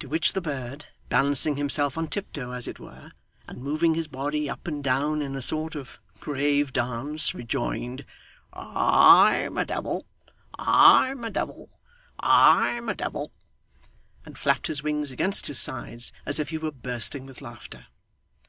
To which the bird, balancing himself on tiptoe, as it were, and moving his body up and down in a sort of grave dance, rejoined, 'I'm a devil, I'm a devil, I'm a devil,' and flapped his wings against his sides as if he were bursting with laughter.